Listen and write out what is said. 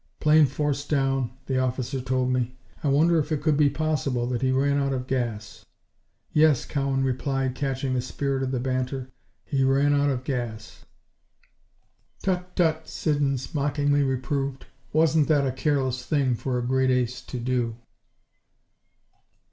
Plane forced down, the officer told me. I wonder if it could be possible that he ran out of gas?" "Yes," Cowan replied, catching the spirit of the banter, "he ran out of gas." "Tut! tut!" Siddons mockingly reproved. "Wasn't that a careless thing for a great ace to do?"